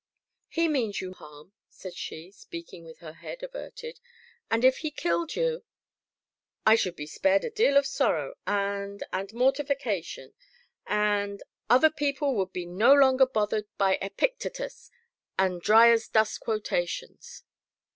"He means you harm," said she, speaking with her head averted, "and, if he killed you " "I should be spared a deal of sorrow, and and mortification, and other people would be no longer bothered by Epictetus and dry as dust quotations."